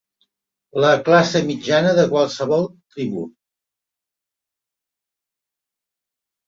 La classe mitjana de qualsevol tribu.